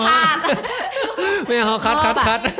ไม่เอาค่ะคัทคัท